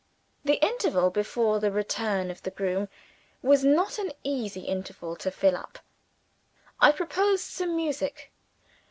The interval before the return of the groom was not an easy interval to fill up. I proposed some music.